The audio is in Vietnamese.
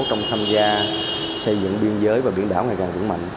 trong tham gia xây dựng biên giới và biển đảo ngày càng vững mạnh